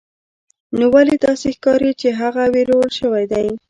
نو ولې داسې ښکاري چې هغه ویرول شوی دی